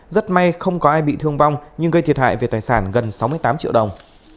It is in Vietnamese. rất may không có ai bị thương vong nhưng gây thiệt hại về tài sản gần sáu mươi tám triệu đồng